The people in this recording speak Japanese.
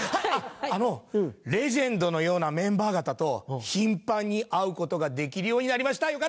あのレジェンドのようなメンバー方と頻繁に会うことができるようになりました！